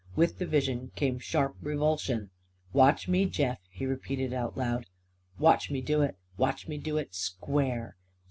With the vision came sharp revulsion. "Watch me, Jeff!" he repeated aloud. "Watch me do it! Watch me do it, square!